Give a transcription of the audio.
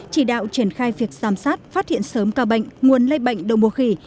chỉ đạo triển khai việc giám sát phát hiện sớm ca bệnh nguồn lây bệnh đồng mùa khỉ